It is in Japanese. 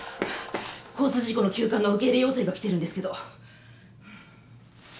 交通事故の急患の受け入れ要請が来てるんですけど。